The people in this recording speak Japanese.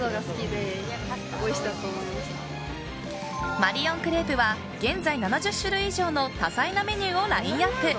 マリオンクレープは現在７０種類以上の多彩なメニューをラインアップ。